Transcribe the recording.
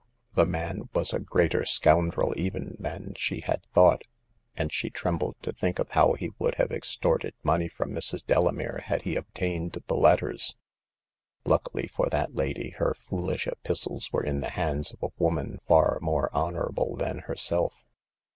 The man was a greater scoundrel even than she had thought ; and she trembled to think of how he would have extorted money from Mrs. Delamere had he obtained the letters. Luckily for that lady, her foolish epistles were in the hands of a woman far more honorable than herself.